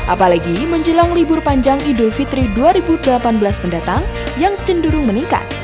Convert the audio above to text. apalagi menjelang libur panjang idul fitri dua ribu delapan belas mendatang yang cenderung meningkat